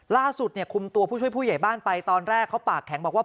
ล่าสุดเนี่ยคุมตัวผู้ช่วยผู้ใหญ่บ้านไปตอนแรกเขาปากแข็งบอกว่า